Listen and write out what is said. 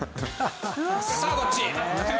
さあどっち？